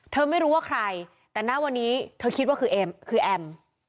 ไม่รู้ว่าใครแต่หน้าวันนี้เธอคิดว่าคือเอ็มคือแอม